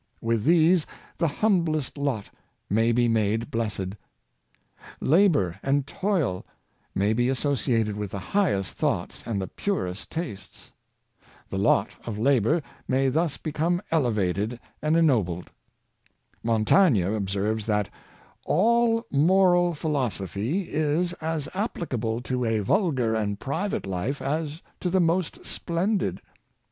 With these, the humblest lot may be made blessed» Labor and toil may be associated with the highest thoughts and the purest tastes. The lot of labor may thus become elevated and ennobled. Montaigne ob serves that " all moral philosophy is as applicable to a vulgar and private life as to the most splendid.